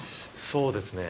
そうですね。